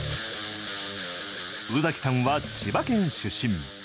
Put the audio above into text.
宇崎さんは千葉県出身。